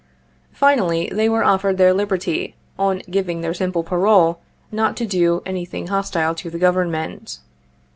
Finally, they were offered their liberty on giving their simple parole not to do anything hostile to the Government.